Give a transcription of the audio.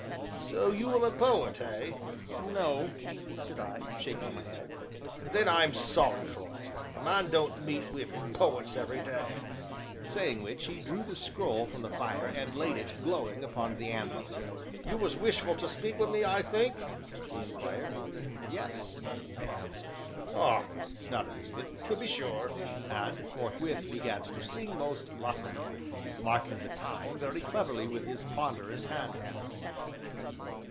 '" "So you'm a poet, eh?" "No," said I, shaking my head. "Then I'm sorry for it; a man don't meet wi' poets every day," saying which, he drew the scroll from the fire, and laid it, glowing, upon the anvil. "You was wishful to speak wi' me, I think?" he inquired. "Yes," I answered. "Ah!"'nodded the smith, "to be sure," and, forthwith, began to sing most lustily, marking the time very cleverly with his ponderous hand hammer.